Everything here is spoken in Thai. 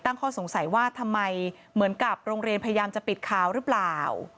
ข้อสงสัยว่าทำไมเหมือนกับโรงเรียนพยายามจะปิดข่าวหรือเปล่า